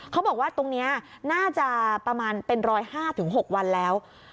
เขาบอกว่าตรงเนี้ยน่าจะประมาณเป็นรอยห้าถึงหกวันแล้ว